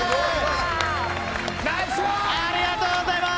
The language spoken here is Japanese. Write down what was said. ありがとうございます！